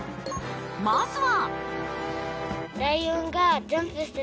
まずは。